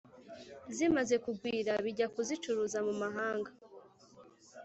zimaze kugwira, bijya kuzicuruza mu mahanga